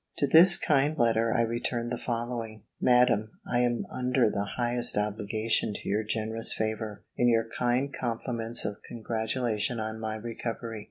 To this kind letter I returned the following: "MADAM, "I am under the highest obligation to your generous favour, in your kind compliments of congratulation on my recovery.